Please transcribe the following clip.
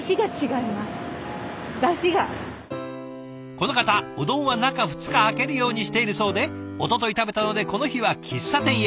この方うどんは中２日空けるようにしているそうでおととい食べたのでこの日は喫茶店へ。